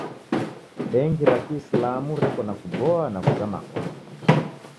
Bengi ra kiisilamu reko na kuboa na kuzama kwaro.